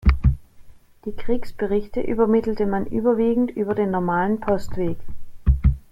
Die Kriegsberichte übermittelte man überwiegend über den normalen Postweg.